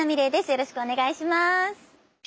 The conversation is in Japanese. よろしくお願いします。